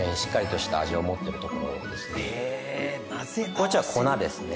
こっちは粉ですね。